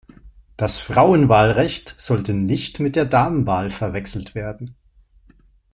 Das Frauenwahlrecht sollte nicht mit der Damenwahl verwechselt werden.